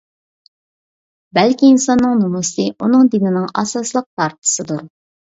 بەلكى ئىنساننىڭ نومۇسى ئۇنىڭ دىنىنىڭ ئاساسلىق پارچىسىدۇر.